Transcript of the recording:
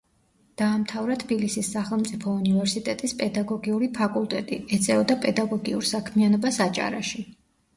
დაამთავრა თბილისის სახელმწიფო უნივერსიტეტის პედაგოგიური ფაკულტეტი, ეწეოდა პედაგოგიურ საქმიანობას აჭარაში.